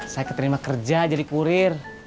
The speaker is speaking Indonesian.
saya keterima kerja jadi kurir